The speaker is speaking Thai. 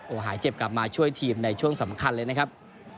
หายเจ็บกลับมาช่วยทีมในช่วงสำคัญเลยนะครับ